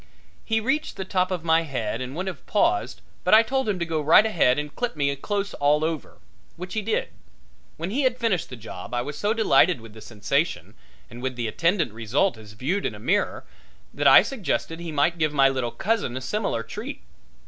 He reached the top of my head and would have paused but I told him to go right ahead and clip me close all over, which he did. When he had finished the job I was so delighted with the sensation and with the attendant result as viewed in a mirror that I suggested he might give my little cousin a similar treat.